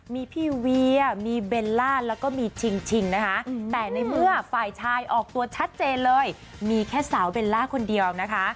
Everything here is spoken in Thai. มีพี่เวียมีเบลล่าแล้วก็มีชิงนะคะแต่ในเมื่อฝ่ายชายออกตัวชัดเจนเลยมีแค่สาวเบลล่าคนเดียวนะคะ